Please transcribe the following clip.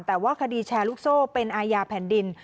แต่ว่าคดีแชร์ลูกโซ่เป็นอาญาแผ่นดิน